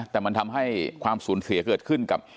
แต่มันทำให้ความสูญเสียเกิดขึ้นกับ